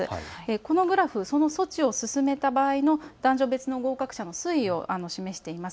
このグラフ、その措置を進めた場合の男女別の合格者の推移を示しています。